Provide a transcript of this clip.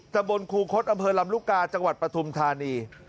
ตะบนครูคดอำเภอลำลูกกาจังหวัดปฐุมธานี